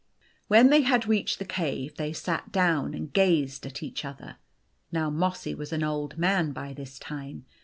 When they had reached the cave, they sat down and gazed at each other. Now Mossy was an old man by this time.